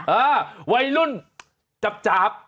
เอ้อไวรุ่นจับจาบ